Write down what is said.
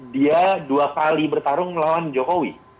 dia dua kali bertarung melawan jokowi